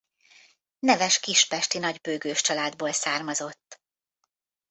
Neves kispesti nagybőgős családból származott.